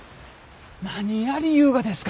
何やりゆうがですか！